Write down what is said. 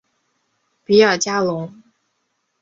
比尔加龙。